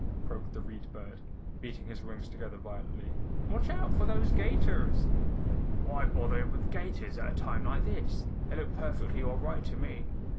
croaked the Read Bird, beating his wings together violently. "Watch out for those 'gators." "Why bother him with gaiters at a time like this? They look perfectly all right to me."